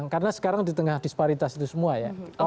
karena sekarang di tengah disparitas itu semua ya